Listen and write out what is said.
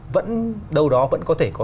vẫn đâu đó vẫn có thể có